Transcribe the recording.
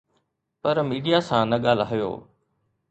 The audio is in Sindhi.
پر ميڊيا سان نه ڳالهايو